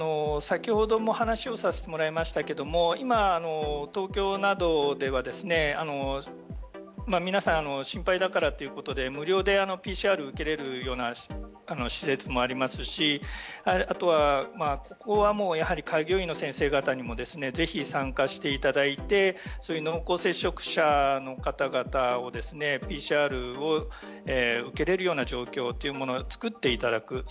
先ほども話をさせてもらいましたけども今、東京などでは皆さん心配だからということで無料でＰＣＲを受けられるような施設もありますしあとは、開業医の先生方にもぜひ参加していただいてそういう濃厚接触者の方々にＰＣＲを受けられるような状況を作っていただく。